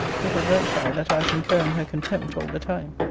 Little dreamt I, that I was incurring her contempt all the time.